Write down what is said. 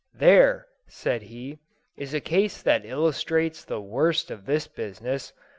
"There," said he, "is a case that illustrates the worst of this business.